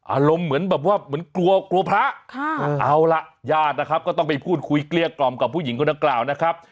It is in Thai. อารมณ์เหมือนแบบว่าเหมือนกลัวกลัวพระเอาล่ะญาตินะครับก็ต้องไปพูดคุยเกลี้ยกล่อมกับผู้หญิงคนนั้นกล่าวนะครับ